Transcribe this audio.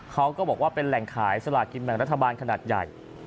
เขาก็บอกว่าเป็นแหล่งขายสลากินแบ่งรัฐบาลขนาดใหญ่